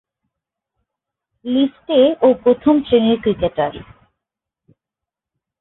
List A ও প্রথম-শ্রেণীর cricketer.